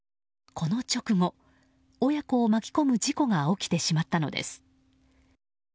この直後、親子を巻き込む事故が起きてしまったのです。